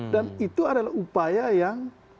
dan itu adalah upaya yang